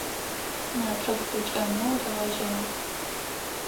Натрыб гъукӀэнэу ригъэжьагъ.